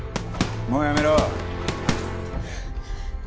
もうやめろ。